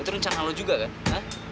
itu rencana lo juga kan ya